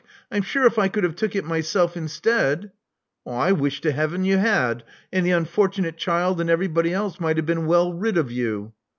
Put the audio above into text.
I'm sure if I could have took it myself instead *' I wish to Heaven you had, and the unfortunate child and everybody else might have been well rid of you.